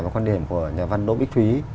quan điểm của nhà văn đỗ bích thúy